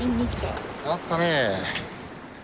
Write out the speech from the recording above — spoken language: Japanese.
やったね。